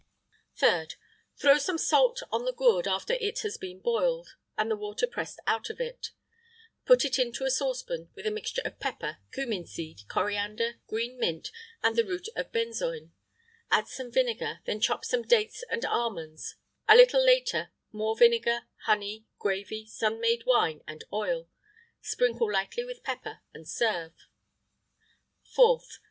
[IX 69] 3rd. Throw some salt on the gourd after it has been boiled, and the water pressed out of it; put it into a saucepan, with a mixture of pepper, cummin seed, coriander, green mint, and the root of benzoin; add some vinegar; then chop some dates and almonds; a little later, more vinegar, honey, gravy, sun made wine, and oil; sprinkle lightly with pepper, and serve.[IX 70] 4th.